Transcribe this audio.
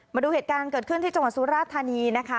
มาดูเหตุการณ์เกิดขึ้นที่จังหวัดสุราธานีนะคะ